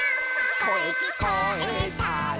「こえきこえたら」